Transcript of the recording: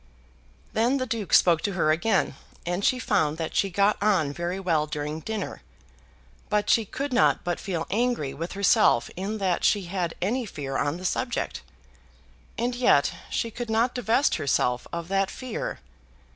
Then the Duke spoke to her again, and she found that she got on very well during dinner. But she could not but feel angry with herself in that she had any fear on the subject; and yet she could not divest herself of that fear.